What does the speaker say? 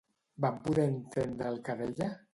Van poder entendre el que deia?